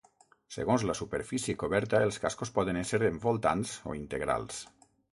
Segons la superfície coberta els cascos poden ésser envoltants o integrals.